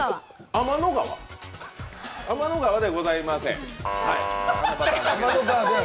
天の川ではございません。